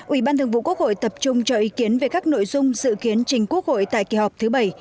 ủy ban thường vụ quốc hội tập trung cho ý kiến về các nội dung dự kiến trình quốc hội tại kỳ họp thứ bảy